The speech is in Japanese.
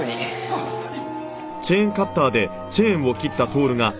あっはい。